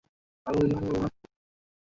আমি কোনোকিছু করব না।